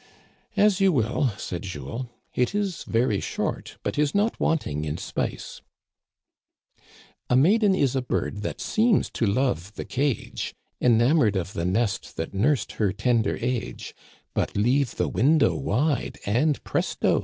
As you will," said Jules. " It is very short, but is not wanting in spice :" A maiden is a bird That seems to love the cage, Enamored of the nest That nursed her tender age ; But leave the window wide And, presto